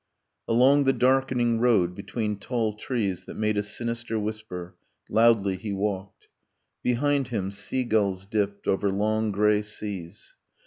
Along the darkening road, between tall trees That made a sinister whisper, loudly he walked. Behind him, sea gulls dipped over long grey seas.